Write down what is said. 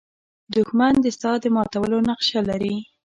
دښمن د ستا د ماتولو نقشه لري